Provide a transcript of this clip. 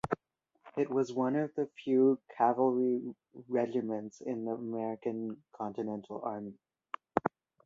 It was one of the few cavalry regiments in the American Continental Army.